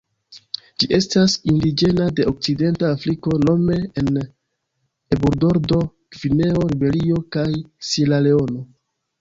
Ĝi estas indiĝena de Okcidenta Afriko nome en Eburbordo, Gvineo, Liberio kaj Sieraleono.